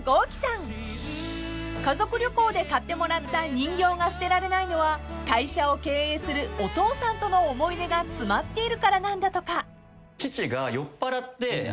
［家族旅行で買ってもらった人形が捨てられないのは会社を経営するお父さんとの思い出が詰まっているからなんだとか］